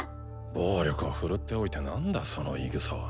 暴力を振るっておいてなんだその言いぐさは。